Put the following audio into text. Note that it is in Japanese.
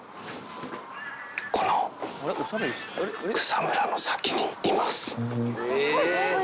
草むらの先にいます。